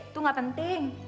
tuh tidak penting